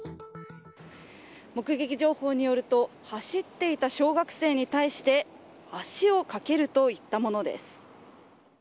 目撃情報によると走っていた小学生に対して足をかけるといったものです。